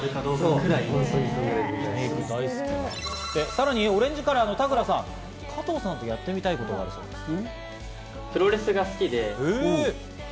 さらにオレンジカラーの田倉さん、加藤さんとやってみたいことがあるそうです。